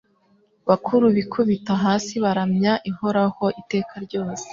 bakuru bikubita hasi baramya ihoraho iteka ryose